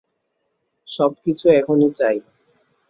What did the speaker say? সবকিছু এখনি চাই।